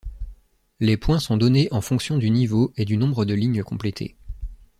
Les points sont donnés en fonction du niveau et du nombre de lignes complétées.